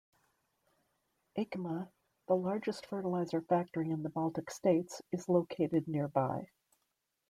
"Achema", the largest fertilizer factory in the Baltic states, is located nearby.